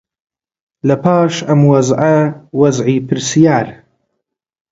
لەپاش ئەم وەزعە وەزعی پرسیار